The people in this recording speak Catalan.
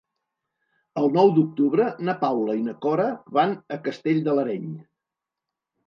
El nou d'octubre na Paula i na Cora van a Castell de l'Areny.